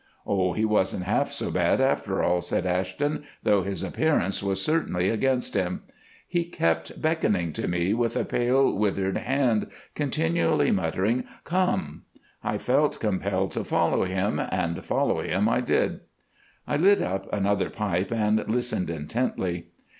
"Oh! he wasn't half so bad after all," said Ashton, "though his appearance was certainly against him. He kept beckoning to me with a pale, withered hand, continually muttering, 'Come.' I felt compelled to follow him, and follow him I did." I lit up another pipe and listened intently.